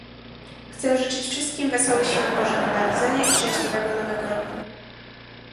Chcę życzyć wszystkim wesołych Świąt Bożego Narodzenia i szczęśliwego Nowego Roku